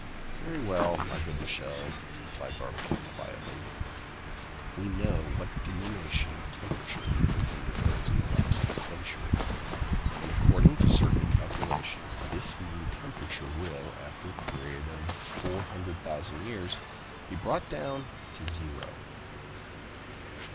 "Very well, my good Michel," replied Barbicane quietly; "we know what diminution of temperature the earth undergoes in the lapse of a century. And according to certain calculations, this mean temperature will after a period of 400,000 years, be brought down to zero!"